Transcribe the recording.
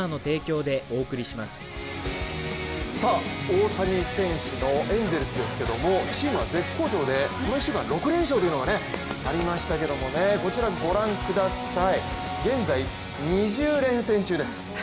大谷選手のエンゼルスですけれどもチームは絶好調で、この１週間６連勝というのがありましたけどもこちら、現在２０連戦中です。